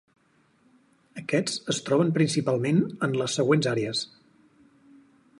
Aquests es troben principalment en les següents àrees.